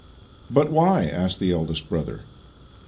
" But why? " asked the eldest brother.